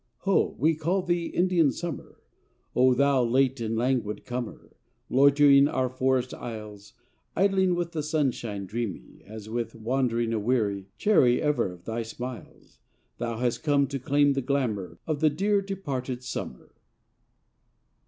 Ho, we call thee Indian Summer, O thou late and languid comer, Loitering our forest aisles; Idling with the sunshine dreamy, As with wandering a weary, Chary, ever, of thy smiles. Thou hast come to claim the glamour Of the dear, departed Summer.